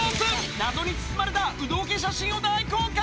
謎に包まれた有働家写真を大公開。